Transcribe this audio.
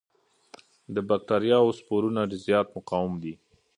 د بکټریاوو سپورونه زیات مقاوم دي.